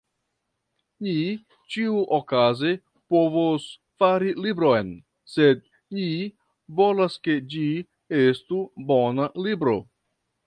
Ni ĉiuokaze povos fari libron, sed ni volas ke ĝi estu bona libro.